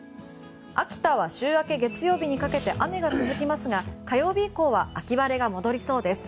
秋田は週明け月曜日にかけて雨が続きますが火曜日以降は秋晴れが戻りそうです。